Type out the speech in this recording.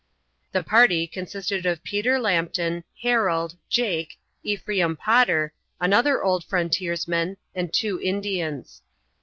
The party consisted of Peter Lambton, Harold, Jake, Ephraim Potter, another old frontiersman, and two Indians.